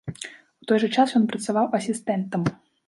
У той жа час ён працаваў асістэнтам.